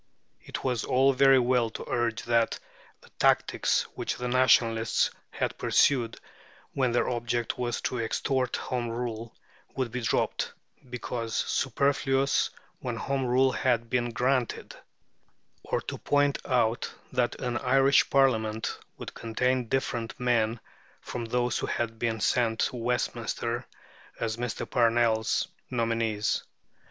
It was all very well to urge that the tactics which the Nationalists had pursued when their object was to extort Home Rule would be dropped, because superfluous, when Home Rule had been granted; or to point out that an Irish Parliament would contain different men from those who had been sent to Westminster as Mr. Parnell's nominees.